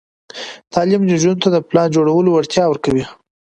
تعلیم نجونو ته د پلان جوړولو وړتیا ورکوي.